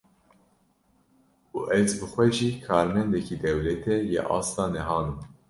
Û ez bi xwe jî karmendekî dewletê yê asta nehan im.